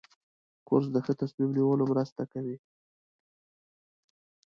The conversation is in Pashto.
کورس د ښه تصمیم نیولو مرسته کوي.